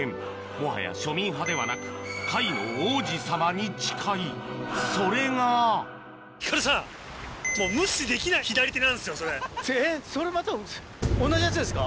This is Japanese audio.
もはや庶民派ではなく貝の王子様に近いそれがえっそれまた同じやつですか？